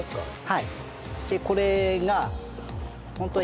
はい。